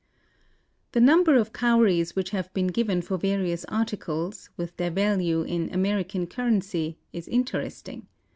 The number of Cowries which have been given for various articles, with their value in American currency, is interesting.